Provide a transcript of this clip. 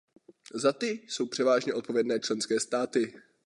Za ty jsou převážně odpovědné členské státy.